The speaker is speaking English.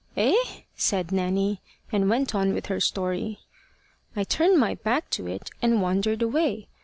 "Eh?" said Nanny, and went on with her story. "I turned my back to it, and wandered away.